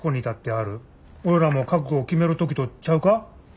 俺らも覚悟を決める時とちゃうか。